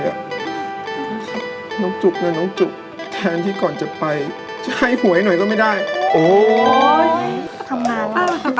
กล่วยน้องแมนเนี่ยก็หลายคน